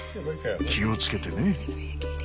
気を付けてね。